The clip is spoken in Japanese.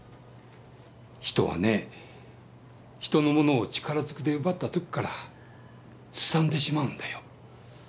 人はねひとのものを力ずくで奪ったときからすさんでしまうんだよ。